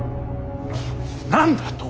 何だと！